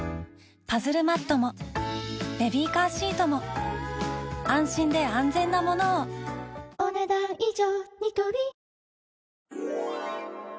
パズルマットもベビーカーシートも安心で安全なものをお、ねだん以上。